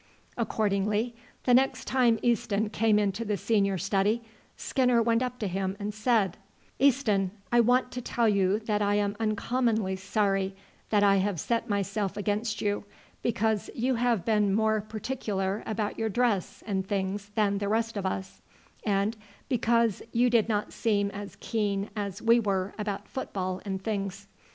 Accordingly the next time Easton came into the senior study, Skinner went up to him and said: "Easton, I want to tell you that I am uncommonly sorry that I have set myself against you because you have been more particular about your dress and things than the rest of us, and because you did not seem as keen as we were about football and things.